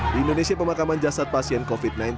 di indonesia pemakaman jasad pasien covid sembilan belas